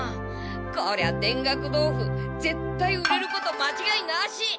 こりゃ田楽豆腐ぜっ対売れることまちがいなし！